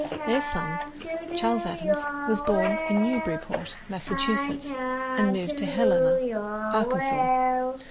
Their son, Charles Adams, was born in Newburyport, Massachusetts, and moved to Helena, Arkansas.